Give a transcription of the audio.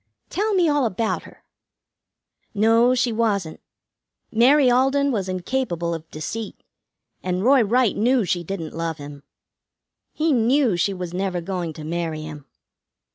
"Tell me all about her." "No, she wasn't. Mary Alden was incapable of deceit, and Roy Wright knew she didn't love him. He knew she was never going to marry him.